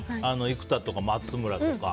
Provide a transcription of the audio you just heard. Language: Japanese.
生田とか松村とか。